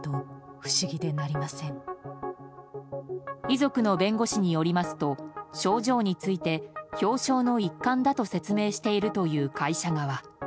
遺族の弁護士によりますと賞状について表彰の一環だと説明しているという会社側。